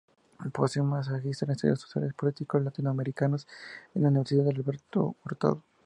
Posee un Magister en Estudios Sociales y Políticos Latinoamericanos, en la Universidad Alberto Hurtado.